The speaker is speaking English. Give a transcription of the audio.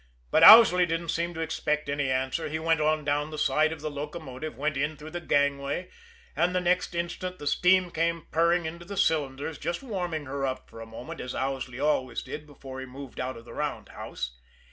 But Owsley didn't seem to expect any answer. He went on down the side of the locomotive, went in through the gangway, and the next instant the steam came purring into the cylinders, just warming her up for a moment, as Owsley always did before he moved out of the roundhouse.